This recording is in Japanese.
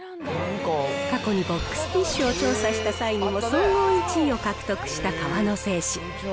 過去にボックスティッシュを調査した際にも、総合１位を獲得した河野製紙。